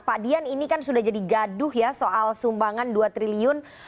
pak dian ini kan sudah jadi gaduh ya soal sumbangan dua triliun